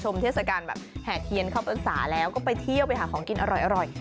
ชมเทศกาลแห่เทียนข้าวปัญศาสตร์แล้วก็ไปเที่ยวไปหาของกินอร่อย